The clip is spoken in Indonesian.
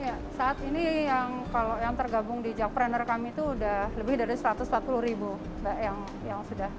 ya saat ini kalau yang tergabung di jakpreneur kami itu sudah lebih dari satu ratus empat puluh ribu mbak yang sudah